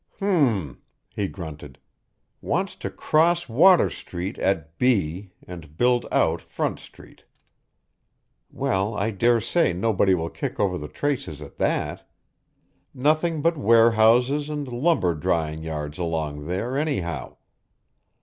"H'm!" he grunted. "Wants to cross Water Street at B and build out Front Street. Well, I dare say nobody will kick over the traces at that. Nothing but warehouses and lumber drying yards along there, anyhow.